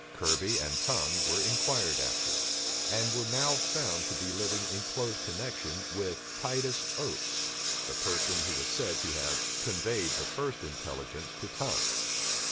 Kirby and Tongue were inquired after, and were now found to be living in close connection with Titus Oates, the person who was said to have conveyed the first intelligence to Tongue.